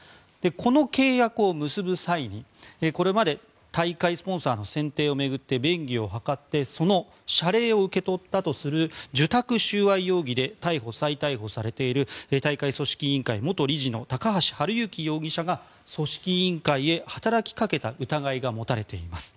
この契約を結ぶ際に、これまで大会スポンサーの選定を巡って便宜を図ってその謝礼を受け取ったとする受託収賄容疑で逮捕、再逮捕されている大会組織委員会元理事の高橋治之容疑者が組織委員会へ働きかけた疑いが持たれています。